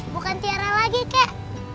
bukan tiara lagi kek